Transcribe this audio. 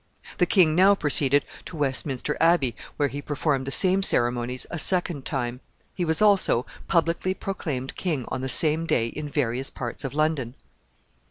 The king now proceeded to Westminster Abbey, where he performed the same ceremonies a second time. He was also publicly proclaimed king on the same day in various parts of London.